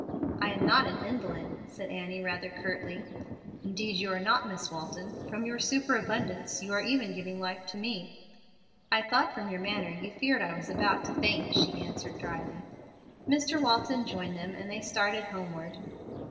"I am not an invalid," said Annie, rather curtly. "Indeed you are not, Miss Walton; from your super abundance you are even giving life to me." "I thought from your manner you feared I was about to faint," she answered, dryly. Mr. Walton joined them and they started homeward.